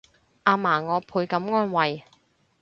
阿嫲我倍感安慰